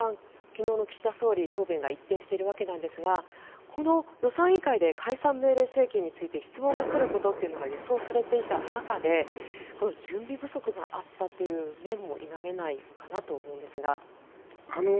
昨日の岸田総理答弁が一転しているわけですが予算委員会で解散命令請求について質問が来ることは予想されていた中で準備不足があったという面も否めないのかなと思うんですが。